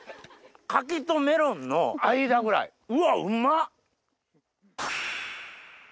柿とメロンの間ぐらいうわっうまっ！